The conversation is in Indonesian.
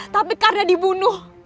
tapi karena dibunuh